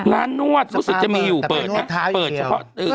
ร้านนวดรู้สึกจะมีอยู่เปิดแต่ไม่นวดเท้าอย่างเดียว